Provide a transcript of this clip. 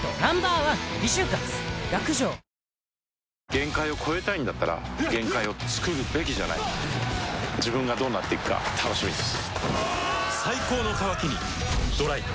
限界を越えたいんだったら限界をつくるべきじゃない自分がどうなっていくか楽しみです